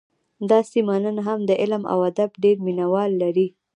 دا سیمه نن هم د علم او ادب ډېر مینه وال لري